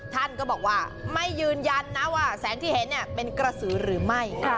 ท่านก็บอกว่าไม่ยืนยันนะว่าแสงที่เห็นเป็นกระสือหรือไม่